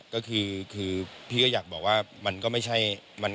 ก็คือมันก็ไม่ใช่ปะ